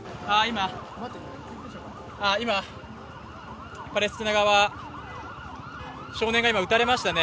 今、パレスチナ側、少年が今、撃たれました。ね。